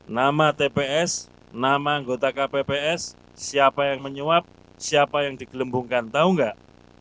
nama tps nama anggota kpps siapa yang menyuap siapa yang digelembungkan tahu nggak